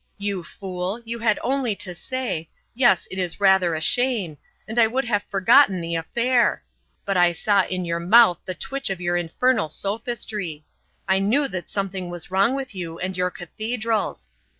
You fool! you had only to say, 'Yes, it is rather a shame,' and I should have forgotten the affair. But I saw on your mouth the twitch of your infernal sophistry; I knew that something was wrong with you and your cathedrals.